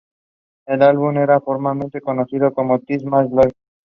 It is one of the successful Marathi television series.